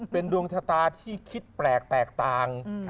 เป็นดวงชะตาที่คิดแปลกแตกต่าง